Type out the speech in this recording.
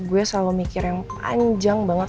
gue selalu mikir yang panjang banget